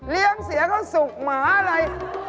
เลี้ยงเสียเข้าสุขหมาอะไร